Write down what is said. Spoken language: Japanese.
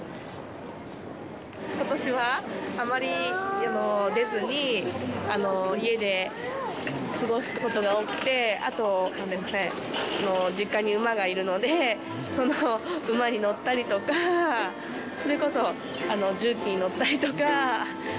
ことしはあまり出ずに、家で過ごすことが多くて、あと、実家に馬がいるので、その馬に乗ったりとか、それこそ、重機に乗ったりとか。